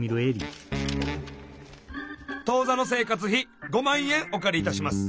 「当座の生活費５万円お借りいたします。